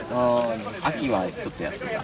秋はちょっとやってた。